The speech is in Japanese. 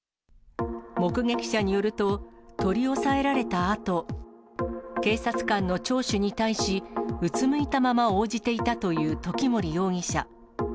目撃者によると、取り押さえられたあと、警察官の聴取に対し、うつむいたまま応じていたという時森容疑者。